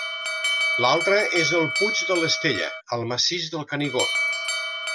L'altra és el Puig de l'Estella, al massís del Canigó.